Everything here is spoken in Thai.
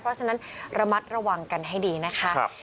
เพราะฉะนั้นระมัดระวังกันให้ดีนะคะ